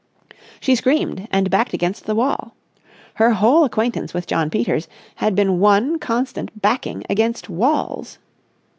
She screamed, and backed against the wall. Her whole acquaintance with Jno Peters had been one constant backing against walls.